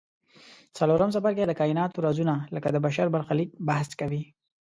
څلورم څپرکی د کایناتو رازونه لکه د بشر برخلیک بحث کوي.